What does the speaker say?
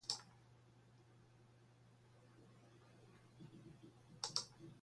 In some areas, systematic attacks against tribespeople in or near mining districts occurred.